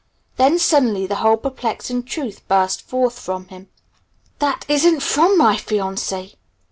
Then suddenly the whole perplexing truth burst forth from him. "That isn't from my fiancée!"